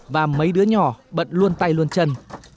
và mấy đứa nhỏ bận luôn tay luôn chân